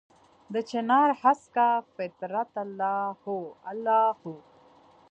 دچنارهسکه فطرته الله هو، الله هو